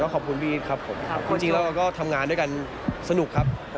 แล้วขอบคุณพี่อิทธิ์ครับผมจริงเราก็ทำงานด้วยกันสนุกครับ